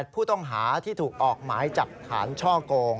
ผู้ต้องหาที่ถูกออกหมายจับฐานช่อโกง